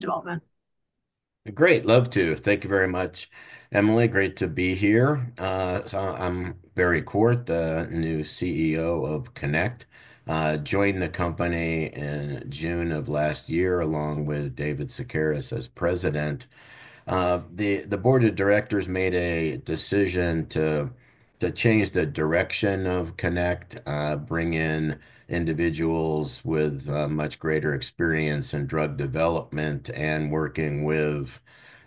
Development. Great. Love to. Thank you very much, Emily. Great to be here. I'm Barry Quart, the new CEO of Connect. Joined the company in June of last year, along with David Sakaris as President. The board of directors made a decision to change the direction of Connect, bring in individuals with much greater experience in drug development and working with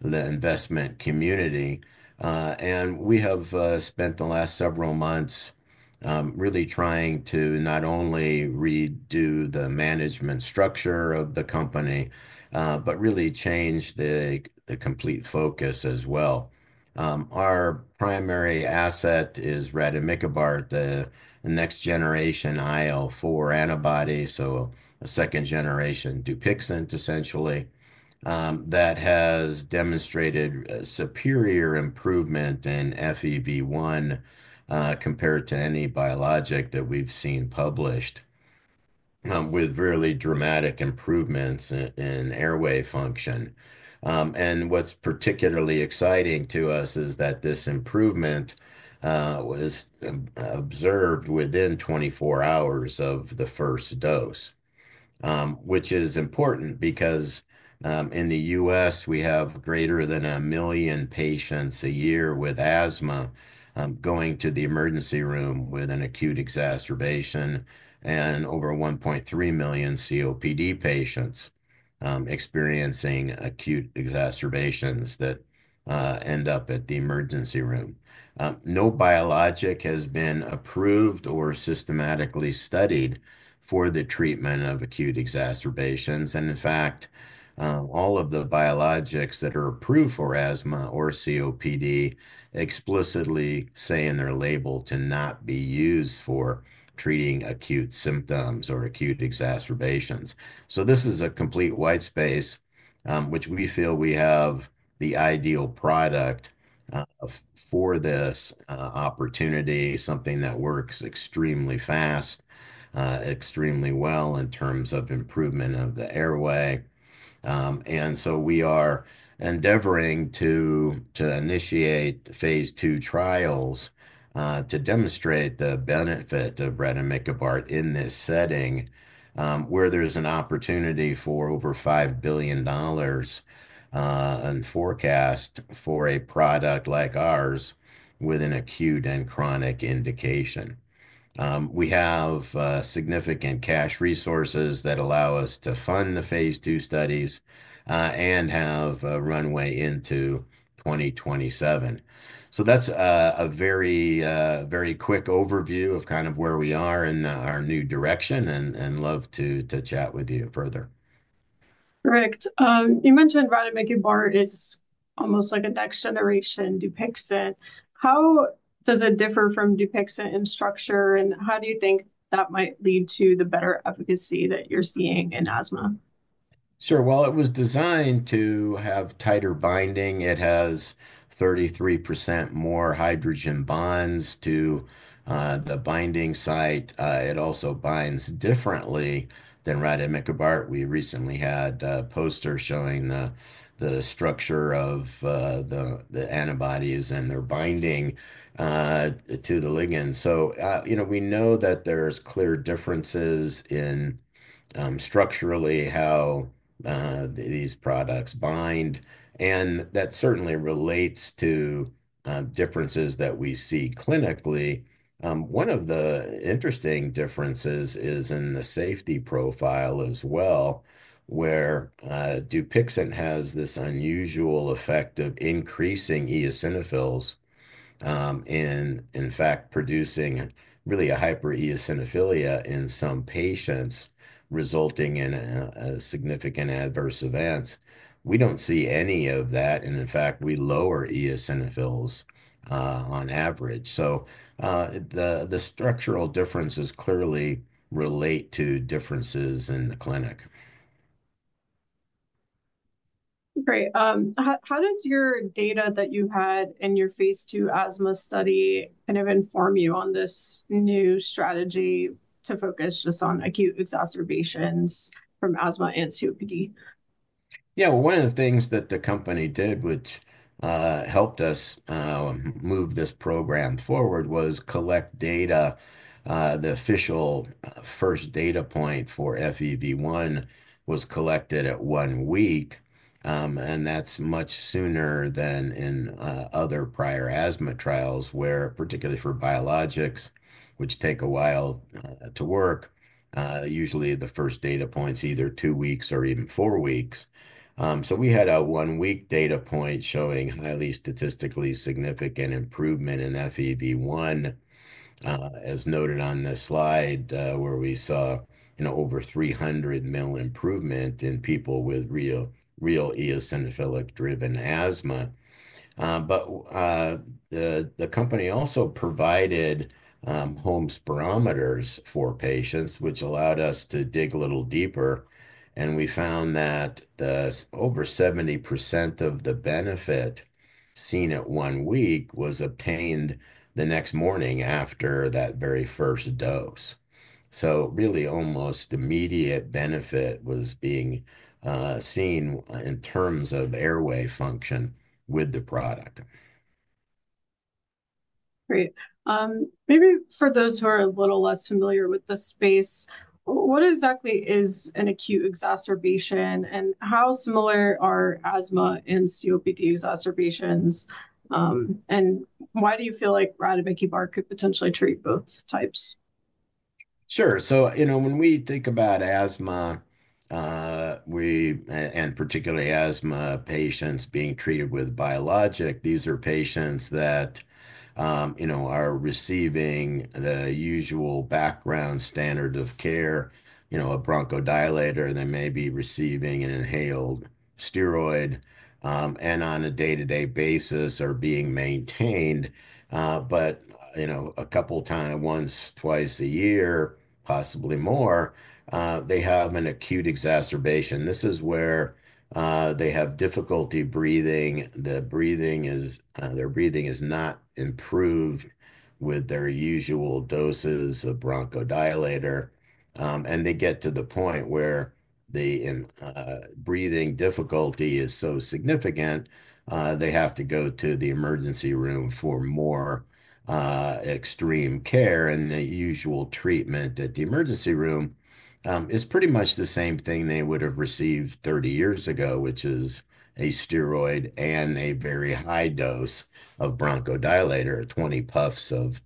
the investment community. We have spent the last several months really trying to not only redo the management structure of the company, but really change the complete focus as well. Our primary asset is rademikibart, the next-generation IL-4 antibody, so a second-generation Dupixent, essentially, that has demonstrated superior improvement in FEV1 compared to any biologic that we've seen published, with really dramatic improvements in airway function. What's particularly exciting to us is that this improvement was observed within 24 hours of the first dose, which is important because in the U.S., we have greater than a million patients a year with asthma going to the emergency room with an acute exacerbation, and over 1.3 million COPD patients experiencing acute exacerbations that end up at the emergency room. No biologic has been approved or systematically studied for the treatment of acute exacerbations. In fact, all of the biologics that are approved for asthma or COPD explicitly say in their label to not be used for treating acute symptoms or acute exacerbations. This is a complete white space, which we feel we have the ideal product for this opportunity, something that works extremely fast, extremely well in terms of improvement of the airway. We are endeavoring to initiate phase 2 trials to demonstrate the benefit of rademikibart in this setting, where there's an opportunity for over $5 billion in forecast for a product like ours with an acute and chronic indication. We have significant cash resources that allow us to fund the phase 2 studies and have a runway into 2027. That's a very quick overview of kind of where we are in our new direction, and love to chat with you further. Correct. You mentioned rademikibart is almost like a next-generation Dupixent. How does it differ from Dupixent in structure, and how do you think that might lead to the better efficacy that you're seeing in asthma? Sure. It was designed to have tighter binding. It has 33% more hydrogen bonds to the binding site. It also binds differently than rademikibart. We recently had a poster showing the structure of the antibodies and their binding to the ligand. We know that there are clear differences in structurally how these products bind, and that certainly relates to differences that we see clinically. One of the interesting differences is in the safety profile as well, where Dupixent has this unusual effect of increasing eosinophils and, in fact, producing really a hyper eosinophilia in some patients, resulting in significant adverse events. We do not see any of that. In fact, we lower eosinophils on average. The structural differences clearly relate to differences in the clinic. Great. How did your data that you had in your phase 2 asthma study kind of inform you on this new strategy to focus just on acute exacerbations from asthma and COPD? Yeah. One of the things that the company did, which helped us move this program forward, was collect data. The official first data point for FEV1 was collected at one week, and that's much sooner than in other prior asthma trials, where particularly for biologics, which take a while to work, usually the first data points are either two weeks or even four weeks. We had a one-week data point showing highly statistically significant improvement in FEV1, as noted on this slide, where we saw over 300 mL improvement in people with real eosinophilic-driven asthma. The company also provided home spirometers for patients, which allowed us to dig a little deeper. We found that over 70% of the benefit seen at one week was obtained the next morning after that very first dose. Really, almost immediate benefit was being seen in terms of airway function with the product. Great. Maybe for those who are a little less familiar with the space, what exactly is an acute exacerbation, and how similar are asthma and COPD exacerbations, and why do you feel like rademikibart could potentially treat both types? Sure. When we think about asthma and particularly asthma patients being treated with biologic, these are patients that are receiving the usual background standard of care, a bronchodilator. They may be receiving an inhaled steroid and on a day-to-day basis are being maintained. A couple of times, once, twice a year, possibly more, they have an acute exacerbation. This is where they have difficulty breathing. Their breathing is not improved with their usual doses of bronchodilator. They get to the point where the breathing difficulty is so significant, they have to go to the emergency room for more extreme care. The usual treatment at the emergency room is pretty much the same thing they would have received 30 years ago, which is a steroid and a very high dose of bronchodilator, 20 puffs of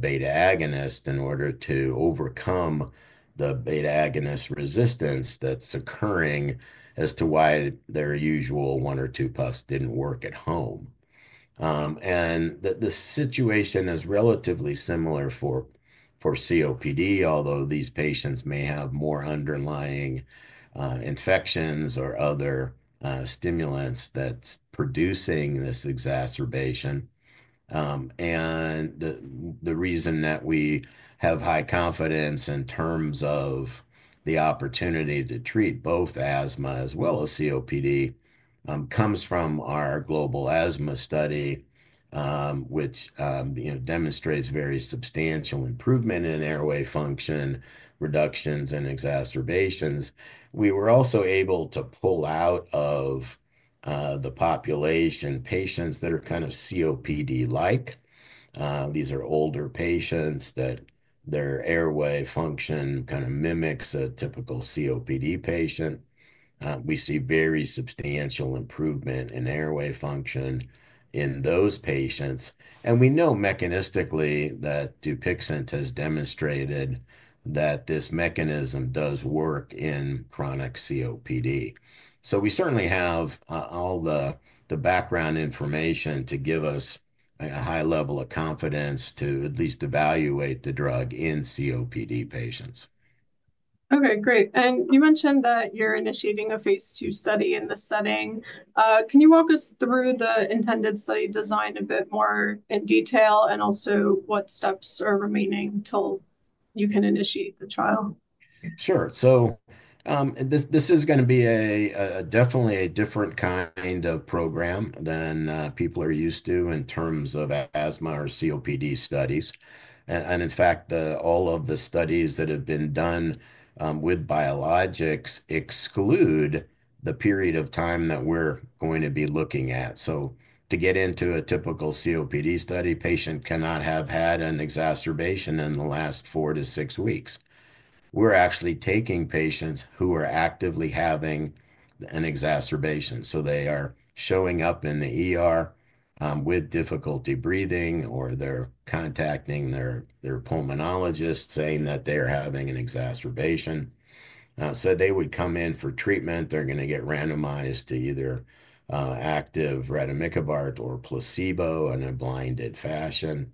beta agonist in order to overcome the beta agonist resistance that's occurring as to why their usual one or two puffs didn't work at home. The situation is relatively similar for COPD, although these patients may have more underlying infections or other stimulants that's producing this exacerbation. The reason that we have high confidence in terms of the opportunity to treat both asthma as well as COPD comes from our global asthma study, which demonstrates very substantial improvement in airway function, reductions, and exacerbations. We were also able to pull out of the population patients that are kind of COPD-like. These are older patients that their airway function kind of mimics a typical COPD patient. We see very substantial improvement in airway function in those patients. We know mechanistically that Dupixent has demonstrated that this mechanism does work in chronic COPD. We certainly have all the background information to give us a high level of confidence to at least evaluate the drug in COPD patients. Okay. Great. You mentioned that you're initiating a phase 2 study in this setting. Can you walk us through the intended study design a bit more in detail and also what steps are remaining till you can initiate the trial? Sure. This is going to be definitely a different kind of program than people are used to in terms of asthma or COPD studies. In fact, all of the studies that have been done with biologics exclude the period of time that we're going to be looking at. To get into a typical COPD study, a patient cannot have had an exacerbation in the last four to six weeks. We're actually taking patients who are actively having an exacerbation. They are showing up with difficulty breathing, or they're contacting their pulmonologist saying that they are having an exacerbation. They would come in for treatment. They're going to get randomized to either active rademikibart or placebo in a blinded fashion.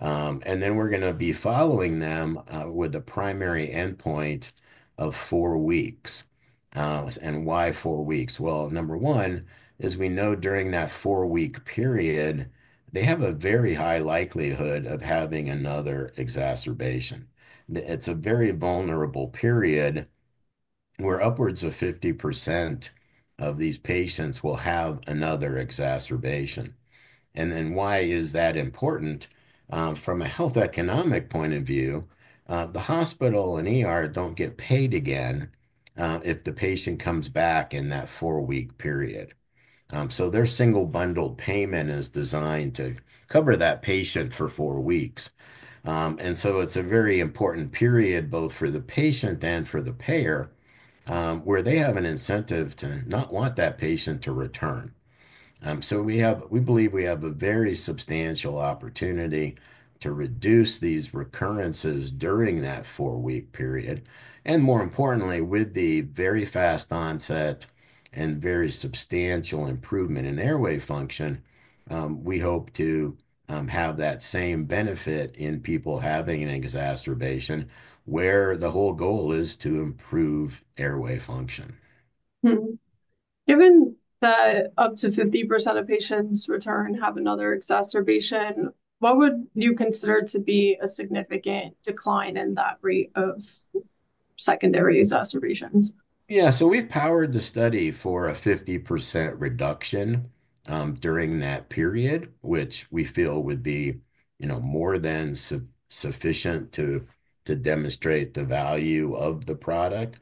We're going to be following them with a primary endpoint of four weeks. Why four weeks? Number one is we know during that four-week period, they have a very high likelihood of having another exacerbation. It's a very vulnerable period where upwards of 50% of these patients will have another exacerbation. Why is that important? From a health economic point of view, the hospital does not get paid again if the patient comes back in that four-week period. Their single bundled payment is designed to cover that patient for four weeks. It is a very important period both for the patient and for the payer where they have an incentive to not want that patient to return. We believe we have a very substantial opportunity to reduce these recurrences during that four-week period. More importantly, with the very fast onset and very substantial improvement in airway function, we hope to have that same benefit in people having an exacerbation where the whole goal is to improve airway function. Given that up to 50% of patients return have another exacerbation, what would you consider to be a significant decline in that rate of secondary exacerbations? Yeah. So we've powered the study for a 50% reduction during that period, which we feel would be more than sufficient to demonstrate the value of the product.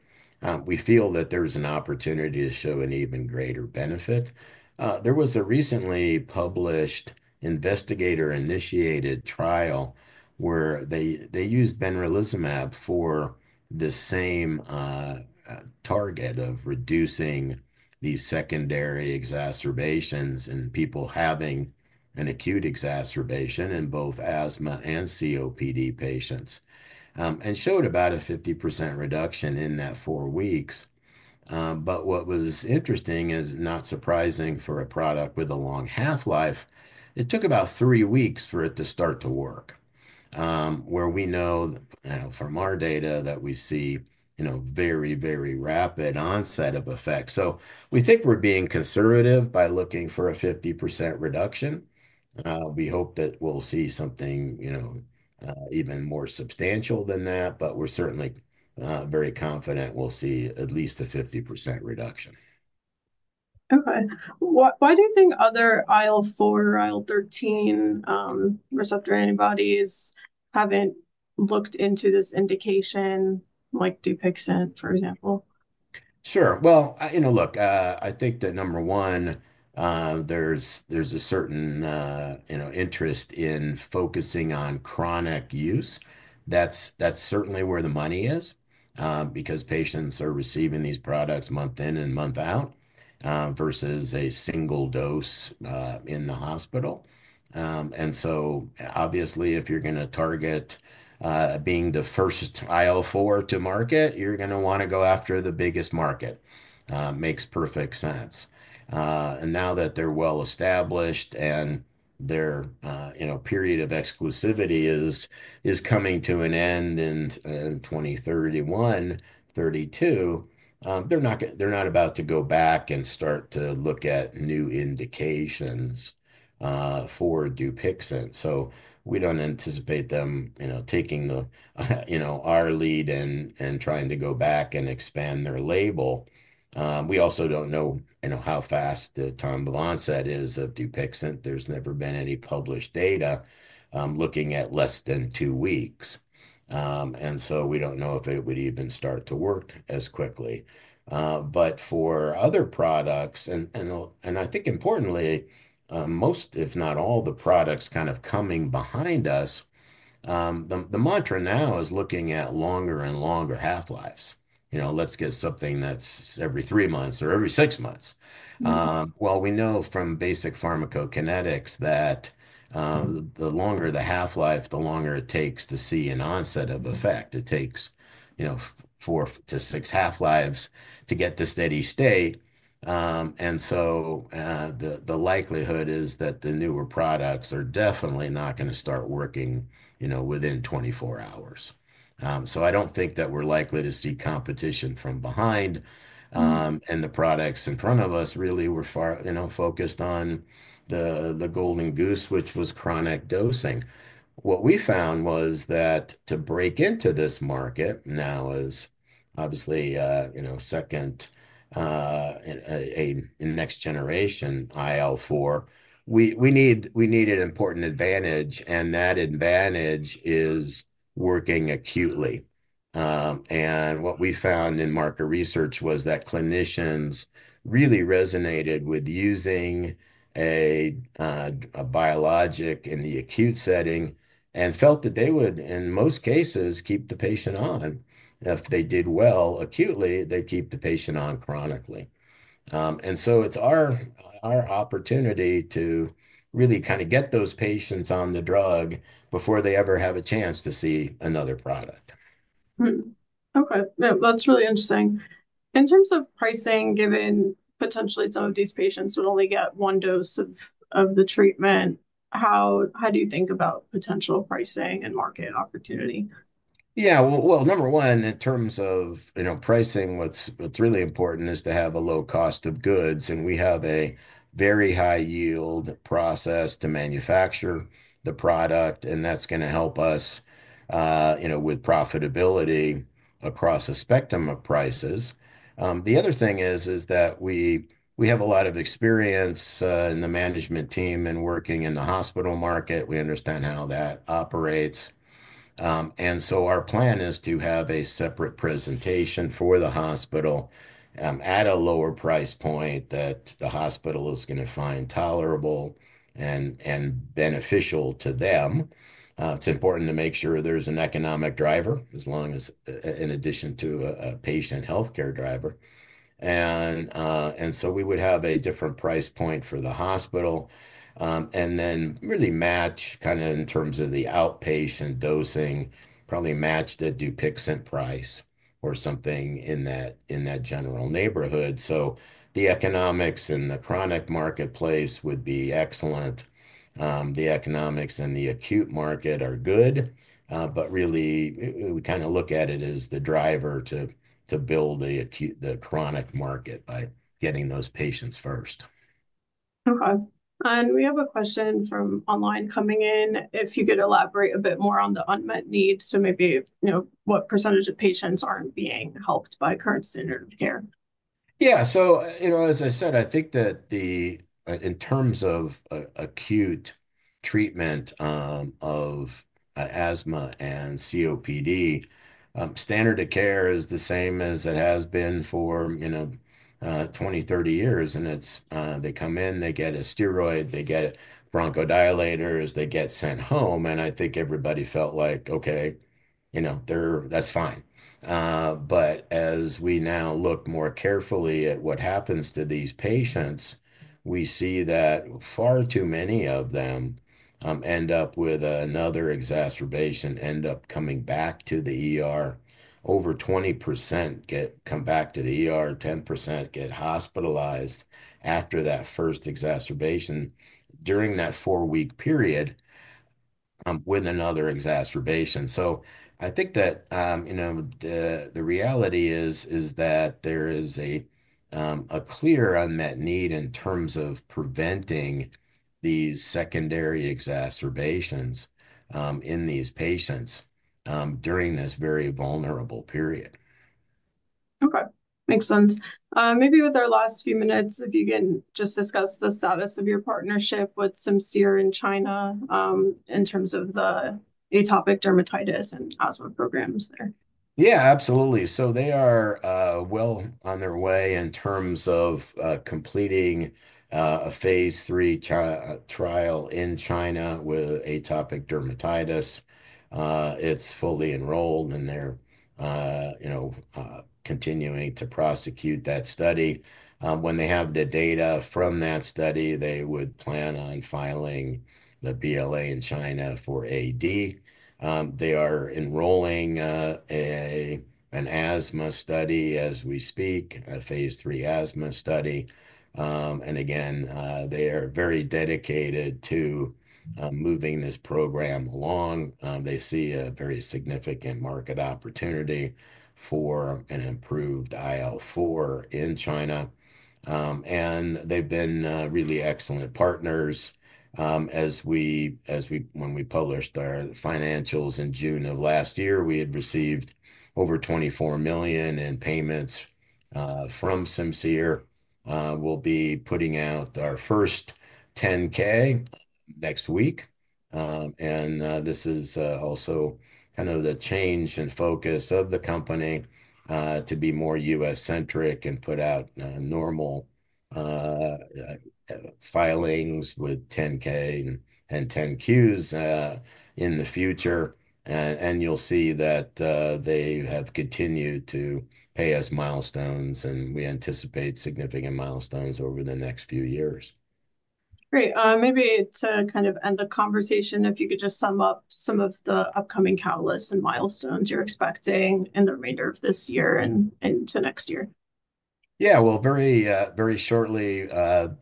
We feel that there's an opportunity to show an even greater benefit. There was a recently published investigator-initiated trial where they used benralizumab for the same target of reducing these secondary exacerbations in people having an acute exacerbation in both asthma and COPD patients and showed about a 50% reduction in that four weeks. What was interesting is not surprising for a product with a long half-life, it took about three weeks for it to start to work, where we know from our data that we see very, very rapid onset of effects. We think we're being conservative by looking for a 50% reduction. We hope that we'll see something even more substantial than that, but we're certainly very confident we'll see at least a 50% reduction. Okay. Why do you think other IL-4, IL-13 receptor antibodies haven't looked into this indication like Dupixent, for example? Sure. Look, I think that number one, there's a certain interest in focusing on chronic use. That's certainly where the money is because patients are receiving these products month in and month out versus a single dose in the hospital. Obviously, if you're going to target being the first IL-4 to market, you're going to want to go after the biggest market. Makes perfect sense. Now that they're well established and their period of exclusivity is coming to an end in 2031, 2032, they're not about to go back and start to look at new indications for Dupixent. We don't anticipate them taking our lead and trying to go back and expand their label. We also don't know how fast the time of onset is of Dupixent. There's never been any published data looking at less than two weeks. We do not know if it would even start to work as quickly. For other products, and I think importantly, most, if not all, the products kind of coming behind us, the mantra now is looking at longer and longer half-lives. Let's get something that is every three months or every six months. We know from basic pharmacokinetics that the longer the half-life, the longer it takes to see an onset of effect. It takes four to six half-lives to get to steady state. The likelihood is that the newer products are definitely not going to start working within 24 hours. I do not think that we are likely to see competition from behind. The products in front of us really were focused on the golden goose, which was chronic dosing. What we found was that to break into this market now is obviously second in next generation IL-4. We need an important advantage, and that advantage is working acutely. What we found in market research was that clinicians really resonated with using a biologic in the acute setting and felt that they would, in most cases, keep the patient on. If they did well acutely, they'd keep the patient on chronically. It is our opportunity to really kind of get those patients on the drug before they ever have a chance to see another product. Okay. That's really interesting. In terms of pricing, given potentially some of these patients would only get one dose of the treatment, how do you think about potential pricing and market opportunity? Yeah. Number one, in terms of pricing, what's really important is to have a low cost of goods. We have a very high-yield process to manufacture the product, and that's going to help us with profitability across a spectrum of prices. The other thing is that we have a lot of experience in the management team and working in the hospital market. We understand how that operates. Our plan is to have a separate presentation for the hospital at a lower price point that the hospital is going to find tolerable and beneficial to them. It's important to make sure there's an economic driver as long as in addition to a patient healthcare driver. We would have a different price point for the hospital and then really match kind of in terms of the outpatient dosing, probably match the Dupixent price or something in that general neighborhood. The economics in the chronic marketplace would be excellent. The economics in the acute market are good, but really we kind of look at it as the driver to build the chronic market by getting those patients first. Okay. We have a question from online coming in. If you could elaborate a bit more on the unmet needs, so maybe what percentage of patients aren't being helped by current standard of care? Yeah. As I said, I think that in terms of acute treatment of asthma and COPD, standard of care is the same as it has been for 20-30 years. They come in, they get a steroid, they get bronchodilators, they get sent home. I think everybody felt like, "Okay, that's fine." As we now look more carefully at what happens to these patients, we see that far too many of them end up with another exacerbation, end up coming back. Over 20% come back, 10% get hospitalized after that first exacerbation during that four-week period with another exacerbation. I think that the reality is that there is a clear unmet need in terms of preventing these secondary exacerbations in these patients during this very vulnerable period. Okay. Makes sense. Maybe with our last few minutes, if you can just discuss the status of your partnership with Simcere in China in terms of the atopic dermatitis and asthma programs there. Yeah, absolutely. They are well on their way in terms of completing a phase 3 trial in China with atopic dermatitis. It's fully enrolled, and they're continuing to prosecute that study. When they have the data from that study, they would plan on filing the BLA in China for AD. They are enrolling an asthma study as we speak, a phase 3 asthma study. They are very dedicated to moving this program along. They see a very significant market opportunity for an improved IL-4 in China. They've been really excellent partners. When we published our financials in June of last year, we had received over $24 million in payments from Simcere. We'll be putting out our first 10-K next week. This is also kind of the change in focus of the company to be more US-centric and put out normal filings with 10-K and 10-Qs in the future. You'll see that they have continued to pay us milestones, and we anticipate significant milestones over the next few years. Great. Maybe to kind of end the conversation, if you could just sum up some of the upcoming catalysts and milestones you're expecting in the remainder of this year and into next year. Yeah. Very shortly,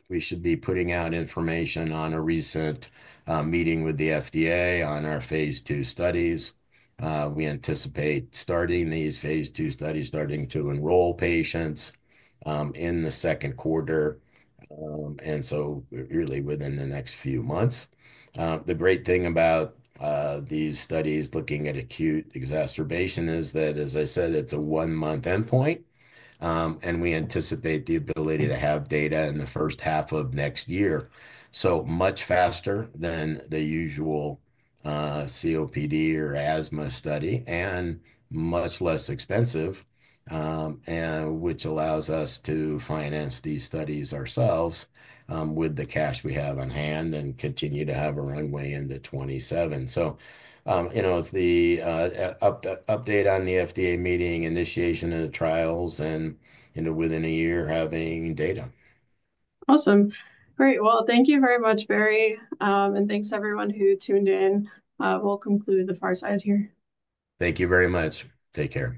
we should be putting out information on a recent meeting with the FDA on our phase two studies. We anticipate starting these phase two studies, starting to enroll patients in the Q2, and really within the next few months. The great thing about these studies looking at acute exacerbation is that, as I said, it's a one-month endpoint, and we anticipate the ability to have data in the first half of next year. Much faster than the usual COPD or asthma study and much less expensive, which allows us to finance these studies ourselves with the cash we have on hand and continue to have a runway into 2027. It's the update on the FDA meeting, initiation of the trials, and within a year, having data. Awesome. Great. Thank you very much, Barry, and thanks to everyone who tuned in. We'll conclude the fireside here. Thank you very much. Take care.